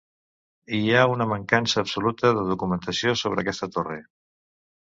Hi ha una mancança absoluta de documentació sobre aquesta torre.